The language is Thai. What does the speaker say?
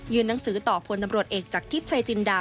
หนังสือต่อพลตำรวจเอกจากทิพย์ชายจินดา